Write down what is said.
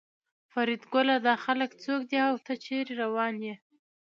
فریدګله دا خلک څوک دي او ته چېرې روان یې